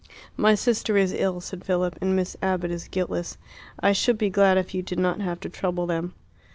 "My sister is ill," said Philip, "and Miss Abbott is guiltless. I should be glad if you did not have to trouble them."